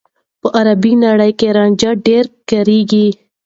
په عربي نړۍ کې رانجه ډېر کارېږي.